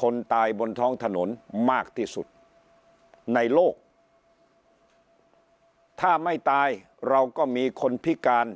คนตายบนท้องถนนมากที่สุดในโลกถ้าไม่ตายเราก็มีคนพิการ